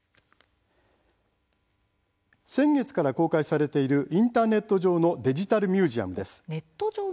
先月から公開されているインターネット上のデジタルミュージアムです。